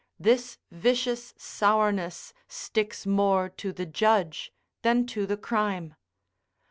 this vicious sourness sticks more to the judge than to the crime.